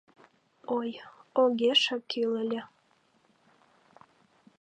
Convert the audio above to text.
Ой, огешак кӱл ыле.